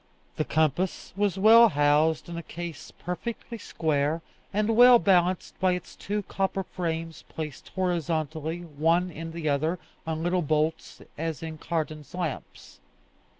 The compass was well housed in a case perfectly square, and well balanced by its two copper frames placed horizontally, one in the other, on little bolts, as in Cardan's lamps.